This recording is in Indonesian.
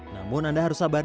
namun anda harus sabar